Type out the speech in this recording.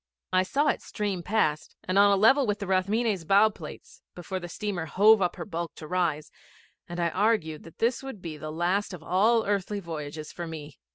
I saw it stream past and on a level with the Rathmines' bow plates before the steamer hove up her bulk to rise, and I argued that this would be the last of all earthly voyages for me.